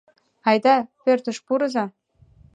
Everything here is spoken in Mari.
Айда, пӧртыш пурыза.